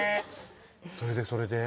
それでそれで？